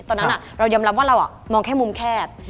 ตอนนั้นเรายอมรับว่าเรามองแค่มุมแคบ